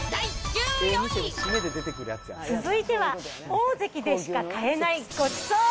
続いては、オオゼキでしか買えないごちそう。